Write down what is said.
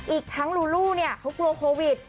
อีกทั้งลูลูเนี่ยเขากลัวโควิด